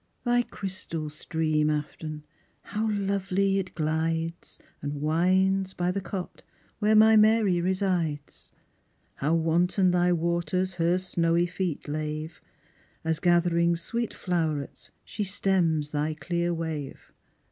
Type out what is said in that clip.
Thy crystal stream, Afton, how lovely it glides, And winds by the cot where my Mary resides; How wanton thy waters her snowy feet lave, As gathering sweet flow'rets she stems thy clear wave.